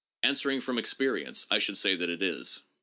Answering from experience, I should say that it is.